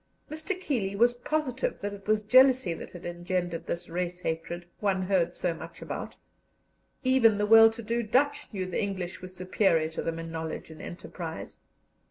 Mr. Keeley was positive that it was jealousy that had engendered this race hatred one heard so much about; even the well to do Dutch knew the English were superior to them in knowledge and enterprise.